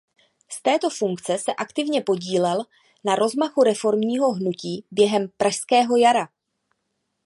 Z této funkce se aktivně podílel na rozmachu reformního hnutí během pražského jara.